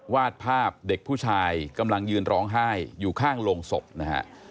วาดภาพเด็กผู้ชายกำลังยืนร้องไห้อยู่ข้างโรงศพนะฮะ